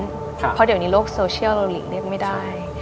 เพราะเดี๋ยวในโลกโซเชียลเราหลีกเลี่ยงไม่ได้